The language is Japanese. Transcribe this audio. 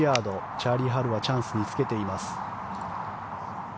チャーリー・ハルはチャンスにつけています。